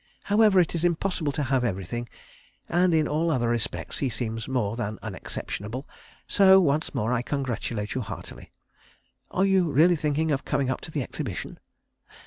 However, it is impossible to have everything, and in all other respects he seems more than unexceptionable, so once more I congratulate you heartily. Are you really thinking of coming up to the Exhibition?....